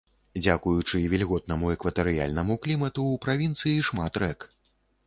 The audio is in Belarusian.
Дзякуючы вільготнаму экватарыяльнаму клімату ў правінцыі шмат рэк.